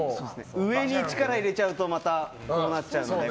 上に力を入れちゃうとまたこうなっちゃうので。